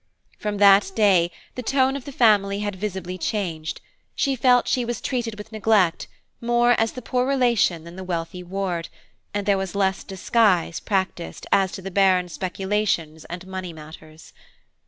From that day the tone of the family had visibly changed, she felt she was treated with neglect, more as the poor relation than the wealthy ward, and there was less disguise practised as to the Baron's speculations and money matters.